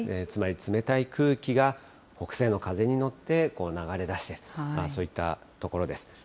つまり、冷たい空気が北西の風に乗って、こう流れ出していく、そういったところです。